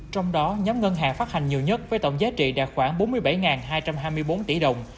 trong đó nhóm ngân hàng phát hành nhiều nhất với tổng giá trị đạt khoảng bốn mươi bảy hai trăm hai mươi bốn tỷ đồng